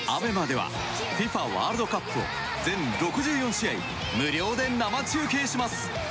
ＡＢＥＭＡではＦＩＦＡワールドカップを全６４試合無料で生中継します。